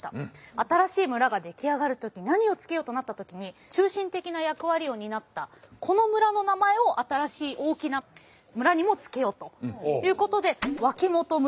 新しい村が出来上がる時何を付けようとなった時に中心的な役割を担ったこの村の名前を新しい大きな村にも付けようということで脇本村